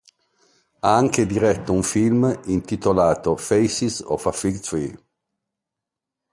Ha anche diretto un film, intitolato "Faces of a Fig Tree".